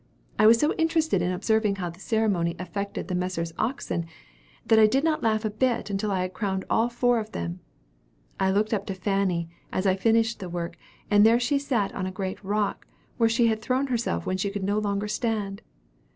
I was so interested in observing how the ceremony affected the Messrs. Oxen, that I did not laugh a bit until I had crowned all four of them. I looked up to Fanny, as I finished the work, and there she sat on a great rock, where she had thrown herself when she could no longer stand.